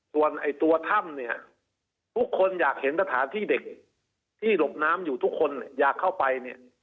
ส่วนตัวถ้ำเนี่ยทุกคนอยากเห็นสถานที่เด็กที่หลบน้ำอยู่ทุกคนอยากเข้าไปเนี่ย